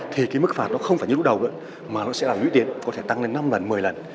thì cái mức phạt nó không phải như lúc đầu nữa mà nó sẽ làm lũy tiến có thể tăng lên năm lần một mươi lần